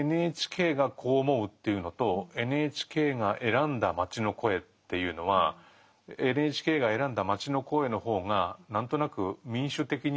ＮＨＫがこう思うというのとＮＨＫが選んだ街の声っていうのはＮＨＫが選んだ街の声の方が何となく民主的には見えるけれど。